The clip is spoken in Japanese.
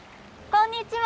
こんにちは！